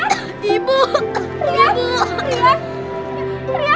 rian ya allah iya